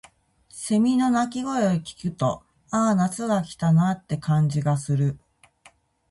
蝉の鳴き声を聞くと、「ああ、夏が来たな」って感じがする。